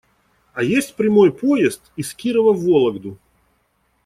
А есть прямой поезд из Кирова в Вологду?